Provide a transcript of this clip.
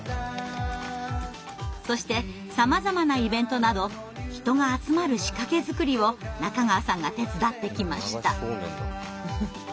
そしてさまざまなイベントなど人が集まる仕掛け作りを中川さんが手伝ってきました。